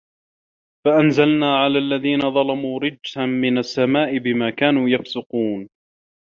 فَأَنْزَلْنَا عَلَى الَّذِينَ ظَلَمُوا رِجْزًا مِنَ السَّمَاءِ بِمَا كَانُوا يَفْسُقُونَ